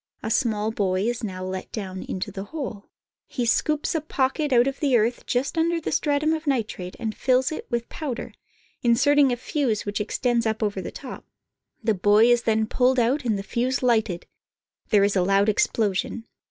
A small boy is now let down into the hole. He scoops a pocket out of the earth just under the stratum of nitrate, and fills it with powder, inserting a fuse which extends up over the top. Nitrate Fields. The boy is then pulled out and the fuse lighted. There is a loud explosion.